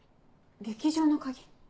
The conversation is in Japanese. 劇場の鍵？